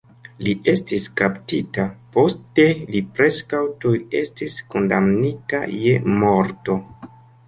Li estis kaptita, poste li preskaŭ tuj estis kondamnita je morto.